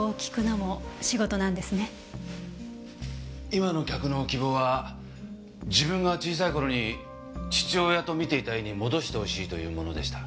今の客の希望は自分が小さい頃に父親と見ていた絵に戻してほしいというものでした。